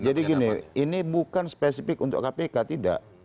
jadi gini ini bukan spesifik untuk kpk tidak